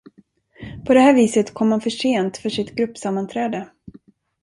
På det här viset kom han försent för sitt gruppsammanträde.